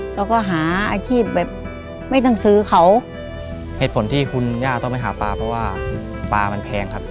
แล้วก็หาอาชีพแบบไม่ต้องซื้อเขาเหตุผลที่คุณย่าต้องไปหาปลาเพราะว่าปลามันแพงครับ